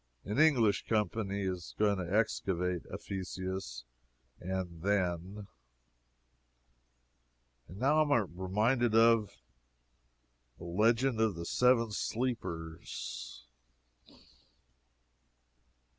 An English Company is going to excavate Ephesus and then! And now am I reminded of THE LEGEND OF THE SEVEN SLEEPERS.